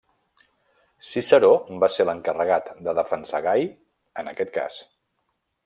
Ciceró va ser l'encarregat de defensar Gai en aquest cas.